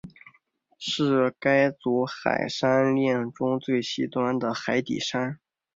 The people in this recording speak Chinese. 是该组海山炼中最西端的海底山。